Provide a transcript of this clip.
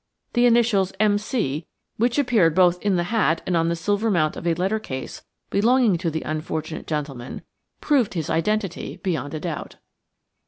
The initials M. C., which appeared both in the hat and on the silver mount of a letter case belonging to the unfortunate gentleman, proved his identity beyond a doubt.